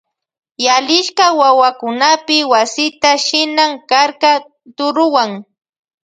Yalishka watakunapi wasita shinan karka turuwan.